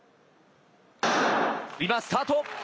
今、スタート！